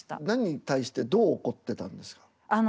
何に対してどう怒ってたんですか？